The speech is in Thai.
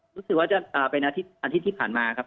รู้สึกว่าจะเป็นอาทิตย์ที่ผ่านมาครับ